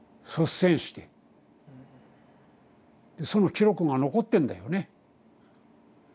その記録が残ってんだよね。